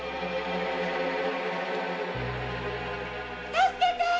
・助けてぇ！